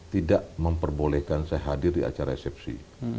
tidak memperbolehkan saya hadir di acara resepsi